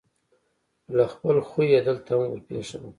له خپل خویه دلته هم ورپېښه ده.